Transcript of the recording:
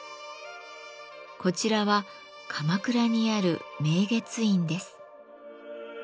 こちらは鎌倉にある明月院です。